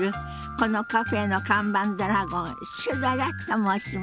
このカフェの看板ドラゴンシュドラと申します。